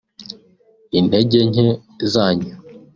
intege nke zanyu